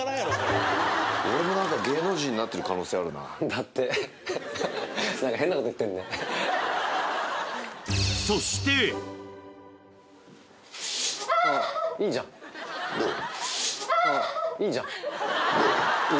だっていいじゃんどう？